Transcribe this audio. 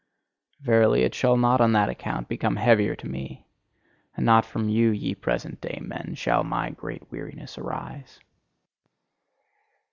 Verily, it shall not on that account become heavier to me! And not from you, ye present day men, shall my great weariness arise.